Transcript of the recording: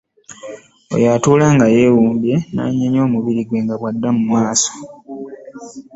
Oyo atuula nga yeewumbye n'anyeenya omubiri gwe nga bw'adda mu maaso.